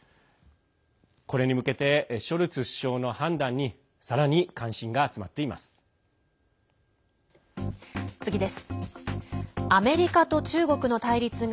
これに向けてショルツ首相の判断にさらに関心が集まっています。